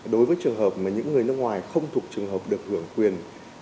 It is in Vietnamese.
đối với trường hợp mà những người nước ngoài không thuộc trường hợp được hưởng quyền